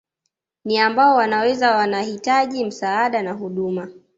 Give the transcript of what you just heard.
Ni ambao wanaweza wanahitaji msaada na huduma